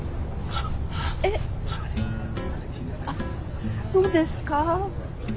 えっあっそうですか。